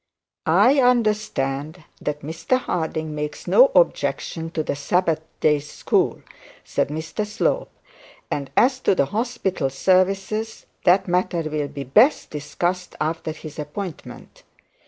'I understand that Mr Harding makes no objection to the Sabbath day school,' said Mr Slope. 'And as to the hospital services, that matter will be best discussed after his appointment.